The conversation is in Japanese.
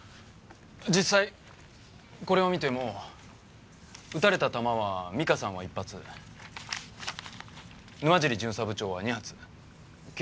実際これを見ても撃たれた弾は美香さんは１発沼尻巡査部長は２発計３発です。